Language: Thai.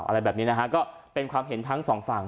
อะไรแบบนี้นะฮะก็เป็นความเห็นทั้งสองฝั่ง